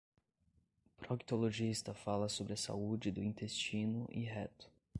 Proctologista fala sobre a saúde do intestino e reto